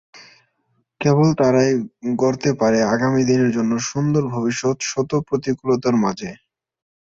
কেবল তারাই গড়তে পারে আগামী দিনের জন্য সুন্দর ভবিষ্যত শত প্রতিকূলতার মাঝে।